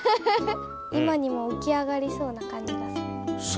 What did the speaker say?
今にも起き上がりそうな感じがする。